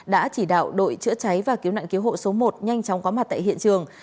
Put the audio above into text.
đã chỉ đạo đội chữa cháy và cứu nạn cứu hộ số một nhanh chóng có mặt tại hiện trường